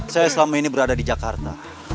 saya selama ini berada di jakarta